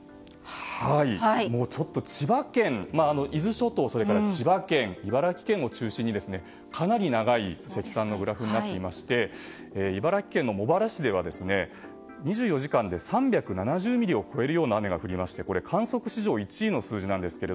千葉県、伊豆諸島、茨城県を中心にかなり長い積算のグラフになっていまして茨城県の茂原市では２４時間で３７０ミリを超えるような雨が降りまして観測史上１位の数字なんです。